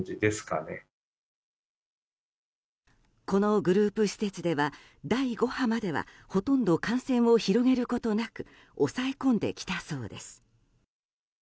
このグループ施設では第５波まではほとんど感染を広げることなく抑え込んできたそうです。